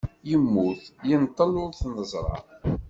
Yemmut, yenṭel ur t-neẓra.